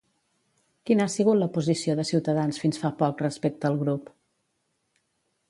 Quina ha sigut la posició de Cs fins fa poc respecte al grup?